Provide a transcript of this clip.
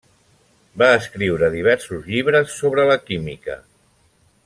Va escriure diversos llibres sobre la química.